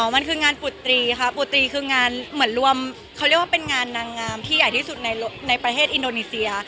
มันคืองานปุตรีค่ะปุตรีคืองานเหมือนรวมเขาเรียกว่าเป็นงานนางงามที่ใหญ่ที่สุดในประเทศอินโดนีเซีย